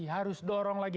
harus dorong lagi